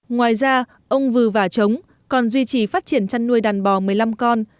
ngoài ra ông vừ vả trống còn duy trì phát triển chăn nuôi đàn bò một mươi năm con